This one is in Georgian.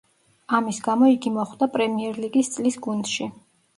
ამის გამო იგი მოხვდა პრემიერ ლიგის წლის გუნდში.